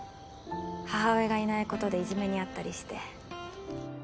母親がいないことでいじめにあったりして。